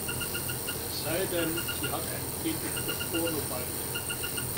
Es sei denn, sie hat einen Fetisch für Pornobalken.